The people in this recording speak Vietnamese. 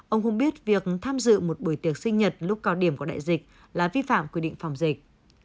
ông hùng biết việc tham dự một buổi tiệc sinh nhật lúc cao điểm của đại dịch là vi phạm quy định phòng dịch